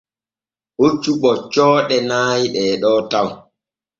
Hoccu ɓoccooɗe nay ɗeeɗo taw.